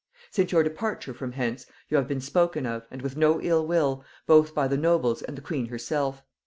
"Since your departure from hence, you have been spoken of, and with no ill will, both by the nobles and the queen herself.